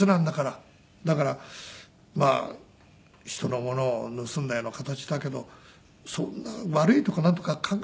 だからまあ人のものを盗んだような形だけどそんな悪いとかなんとか考えませんよ。